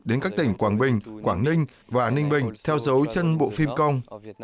đến các tỉnh quảng bình quảng ninh và ninh bình theo dấu chân bộ phim công